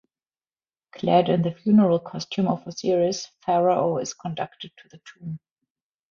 Clad in the funeral costume of Osiris, Pharaoh is conducted to the tomb.